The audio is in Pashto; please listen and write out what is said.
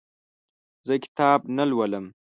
زه کتاب نه لولم.